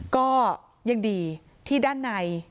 ก็ยังดีที่ด้านใน